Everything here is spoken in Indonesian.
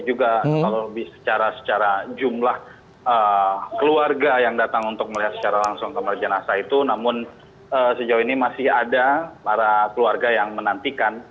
juga kalau secara jumlah keluarga yang datang untuk melihat secara langsung kamar jenazah itu namun sejauh ini masih ada para keluarga yang menantikan